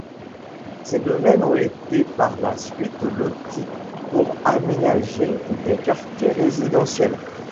Ces domaines ont été par la suite lotis pour aménager des quartiers résidentiels.